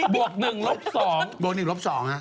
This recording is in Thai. วก๑ลบ๒บวก๑ลบ๒ฮะ